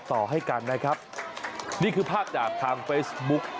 และมีการตั้งแถวต้อนรับบุคลากรทางการแพทย์นะฮะ